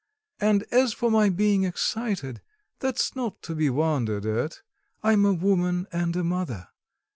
And as for my being excited that's not to be wondered at; I am a woman and a mother.